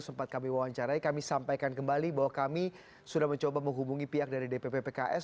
sempat kami wawancarai kami sampaikan kembali bahwa kami sudah mencoba menghubungi pihak dari dpp pks